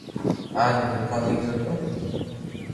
اج ھون دوڪون تو گيو تو